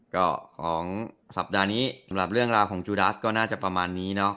ก็ของสัปดาห์นี้สำหรับเรื่องราวของจูดัสก็น่าจะประมาณนี้เนาะ